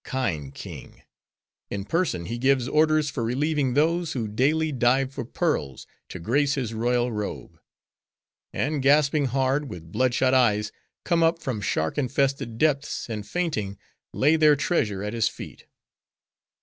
Kind king! in person he gives orders for relieving those, who daily dive for pearls, to grace his royal robe; and gasping hard, with blood shot eyes, come up from shark infested depths, and fainting, lay their treasure at his feet.